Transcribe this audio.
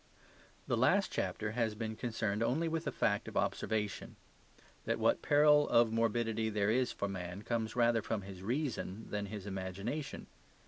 The last chapter has been concerned only with a fact of observation: that what peril of morbidity there is for man comes rather from his reason than his imagination.